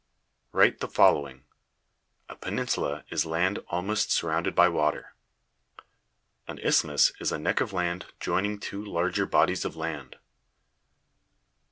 Write the following: A peninsula is land almost surrounded by water. An isthmus is a neck of land joining two larger bodies of land.